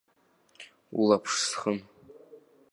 Улаԥш схын.